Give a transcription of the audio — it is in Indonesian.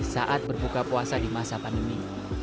saat berbuka puasa di masa pandemi